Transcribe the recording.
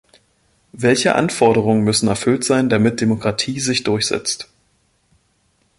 Welche Anforderungen müssen erfüllt sein, damit Demokratie sich durchsetzt?